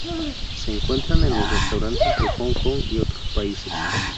Se encuentra en los restaurantes de Hong Kong y otros países.